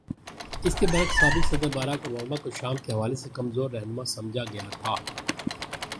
اس کے برعکس، سابق صدر بارک اوباما کو شام کے حوالے سے کمزور رہنما سمجھا گیا تھا۔